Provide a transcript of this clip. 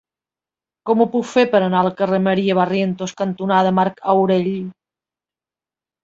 Com ho puc fer per anar al carrer Maria Barrientos cantonada Marc Aureli?